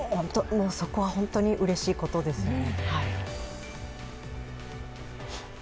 そこは本当にうれしいことですよね。